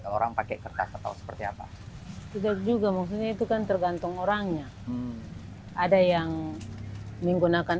orang pakai kertas atau seperti apa juga maksudnya itu kan tergantung orangnya ada yang menggunakan